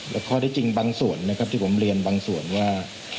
และข้อได้จริงบางส่วนนะครับที่ผมเรียนบางส่วนว่า